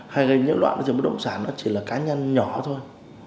hay gây những loạn trường bất động sản nó chỉ là cá nhân nhỏ thôi